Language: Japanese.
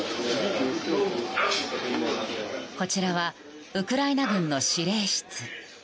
こちらはウクライナ軍の指令室。